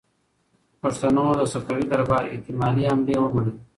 پښتنو د صفوي دربار احتمالي حملې ومنلې.